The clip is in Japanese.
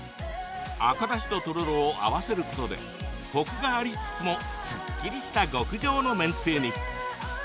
赤だしととろろを合わせることでコクがありつつもすっきりした極上の麺つゆに。